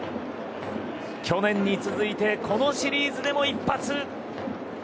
去年に続いてこのシリーズでも一発！